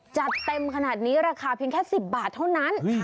จัดเต็มขนาดนี้ราคาเพียงแค่๑๐บาทเท่านั้น